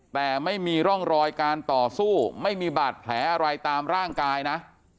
แต่ไม่มีร่องรอยการต่อสู้ไม่มีบาดแผลอะไรตามร่างกายนะ